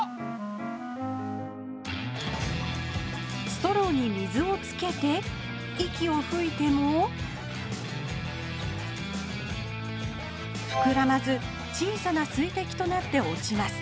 ストローに水をつけて息をふいてもふくらまず小さな水滴となって落ちます